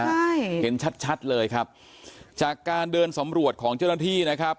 ใช่เห็นชัดชัดเลยครับจากการเดินสำรวจของเจ้าหน้าที่นะครับ